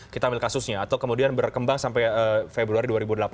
kita ambil kasusnya atau kemudian berkembang sampai februari dua ribu delapan belas